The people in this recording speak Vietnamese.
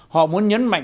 họ muốn nhấn mạnh